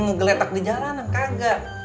ngegeletak di jalanan kagak